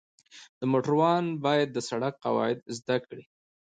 د موټروان باید د سړک قواعد زده کړي.